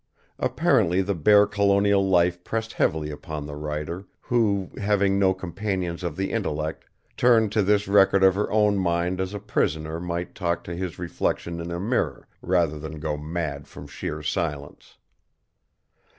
Apparently the bare colonial life pressed heavily upon the writer; who, having no companions of the intellect, turned to this record of her own mind as a prisoner might talk to his reflection in a mirror rather than go mad from sheer silence.